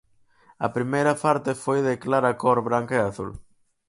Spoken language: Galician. A primeira parte foi de clara cor branca e azul.